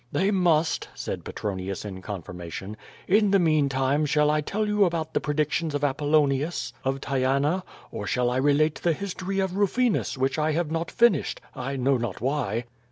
"They must," said Petronius in confirmation. "In the meantime shall I tell you about the predictions of ApoUonius, of Tyana, or shall I relate the history of Rufinus, which I have not finished, I know not why."